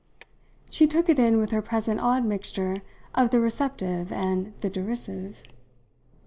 She took it in with her present odd mixture of the receptive and the derisive.